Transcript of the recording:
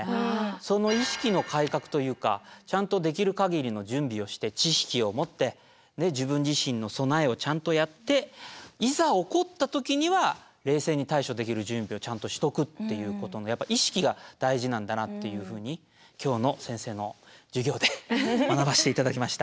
その意識の改革というかちゃんとできる限りの準備をして知識を持って自分自身の備えをちゃんとやっていざ起こった時には冷静に対処できる準備をちゃんとしておくっていうことのやっぱ意識が大事なんだなっていうふうに今日の先生の授業で学ばしていただきました。